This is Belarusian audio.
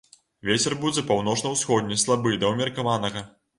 Вецер будзе паўночна-ўсходні слабы да ўмеркаванага.